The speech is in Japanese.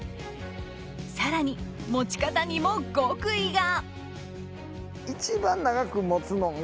更に持ち方にも極意が。